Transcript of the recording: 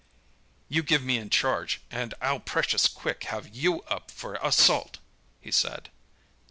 "'You give me in charge, and I'll precious quick have you up for assault!' he said.